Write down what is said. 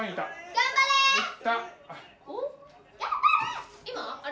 頑張れ！